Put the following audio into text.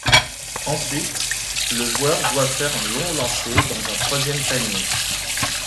Ensuite, le joueur doit faire un long lancer dans un troisième panier.